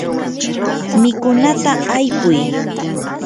mikunata aypuy.